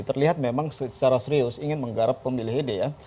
terlihat memang secara serius ingin menggarap pemilih ide ya